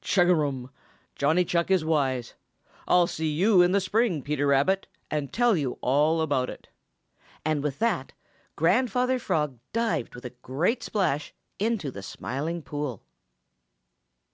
Chugarum! Johnny Chuck is wise. I'll see you in the spring, Peter Rabbit, and tell you all about it." And with that, Grandfather Frog dived with a great splash into the Smiling Pool.